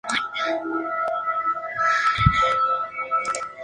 La obra relata la relación amorosa entre Manuela Sáenz y Simón Bolívar.